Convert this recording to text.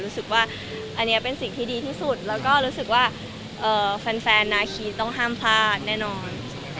รู้สึกว่าอันนี้เป็นสิ่งที่ดีที่สุดแล้วก็รู้สึกว่าแฟนนาคีต้องห้ามพลาดแน่นอน